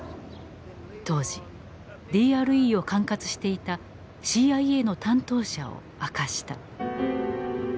当時ＤＲＥを管轄していたＣＩＡの担当者を明かした。